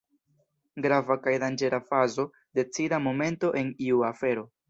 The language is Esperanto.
Grava kaj danĝera fazo, decida momento en iu afero.